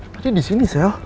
tapi di sini sel